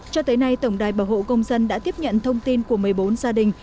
cho tới nay tổng đài bảo hộ công dân đã tiếp nhận thông tin của một mươi bốn gia đình